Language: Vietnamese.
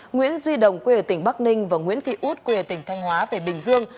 nguyễn duy đồng quê ở tỉnh bắc ninh và nguyễn thị út quê ở tỉnh thanh hóa về bình dương